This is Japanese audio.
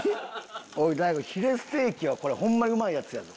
おい大悟ヒレステーキはこれホンマにうまいやつやぞ。